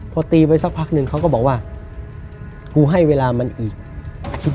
พอตีไปสักพักหนึ่งเขาก็บอกว่ากูให้เวลามันอีกอาทิตย์